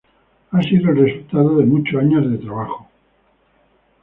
Ha sido el resultado de muchos años de trabajo.